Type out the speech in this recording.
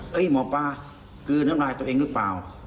หมอปลากลืนน้ำลายตัวเองหรือเปล่า